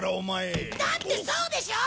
だってそうでしょ！